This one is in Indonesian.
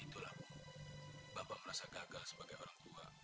itulah bapak merasa gagal sebagai orang tua